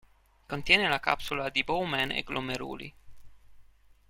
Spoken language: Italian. Contiene la capsula di Bowman e glomeruli.